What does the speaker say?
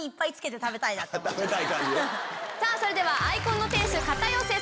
それではＩＣＯＮの店主片寄さん